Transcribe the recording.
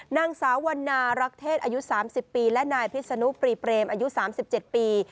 นางสาววันนารักเทศอายุ๓๐ปีและนายพิษนุปรีเปรมอายุ๓๗ปี